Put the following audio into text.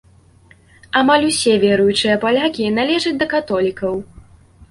Амаль усе веруючыя палякі належаць да католікаў.